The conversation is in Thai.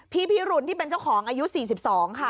พี่พิรุนที่เป็นเจ้าของอายุ๔๒ค่ะ